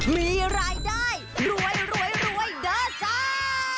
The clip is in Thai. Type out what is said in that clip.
มีรายได้รวยเด้อจ้า